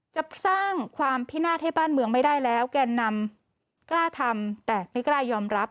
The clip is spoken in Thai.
จะสร้างความพินาศให้บ้านเมืองไม่ได้แล้วแกนนำกล้าทำแต่ไม่กล้ายอมรับ